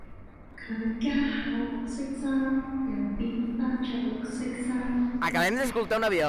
佢家下黃色衫，又變返著綠色衫